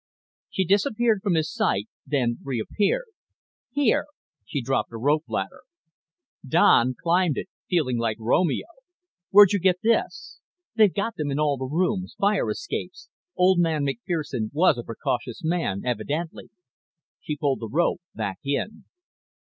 She disappeared from his sight, then reappeared. "Here." She dropped a rope ladder. Don climbed it, feeling Like Romeo. "Where'd you get this?" "They've got them in all the rooms. Fire escapes. Old McFerson was a precautious man, evidently." She pulled the rope back in.